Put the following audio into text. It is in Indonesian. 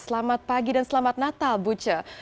selamat pagi dan selamat natal bu celie